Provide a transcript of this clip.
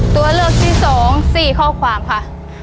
ตัวเลือกที่๒๔ข้อความค่ะ